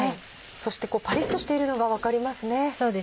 そしてパリっとしているのが分かりますね。